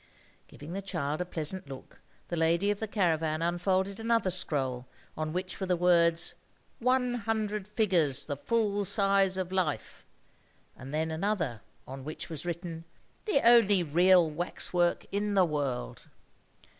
Giving the child a pleasant look, the lady of the caravan unfolded another scroll, on which were the words "One hundred figures the full size of life;" and then another, on which was written, "The only real wax work in the world."